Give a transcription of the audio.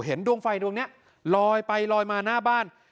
ดวงไฟดวงนี้ลอยไปลอยมาหน้าบ้าน